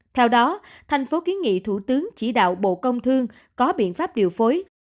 theo đó tp ký nghị thủ tướng chỉ đạo bộ công thương có biện pháp điều phối